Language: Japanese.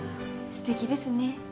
すてきですね。